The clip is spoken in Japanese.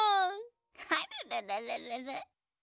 ほるるるるるる。